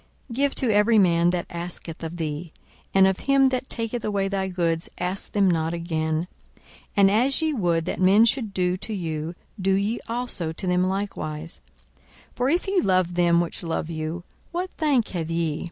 42:006:030 Give to every man that asketh of thee; and of him that taketh away thy goods ask them not again. 42:006:031 And as ye would that men should do to you, do ye also to them likewise. 42:006:032 For if ye love them which love you, what thank have ye?